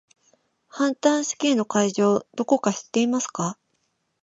ハンター試験の会場どこか知っていますか？